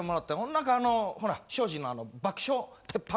何かあのほら庄司の爆笑鉄板